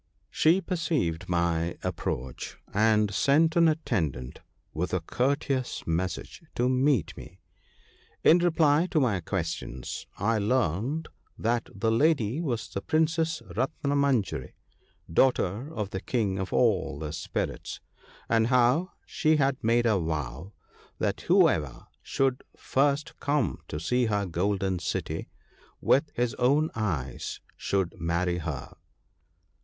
She perceived my approach, and sent an atten dant with a courteous message to meet me. In reply to my questions, I learned that the lady was the Princess Ratnamanjari, daughter of the King of All the Spirits — and how she had made a vow that whoever should first come to see her golden city with his own eyes should marry her.